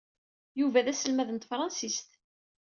Yuba d aselmad n tefṛensist.